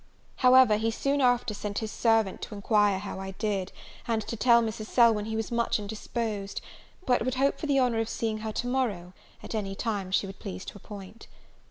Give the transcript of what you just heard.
However, he soon after sent his servant to enquire how I did; and to tell Mrs. Selwyn he was much indisposed, but would hope for the honour of seeing her to morrow, at any time she would please to appoint.